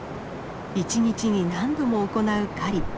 １日に何度も行う狩り。